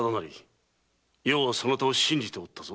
余はそなたを信じておったぞ。